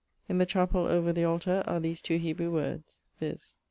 In the chapelle, over the altar, are these two Hebrewe words, viz.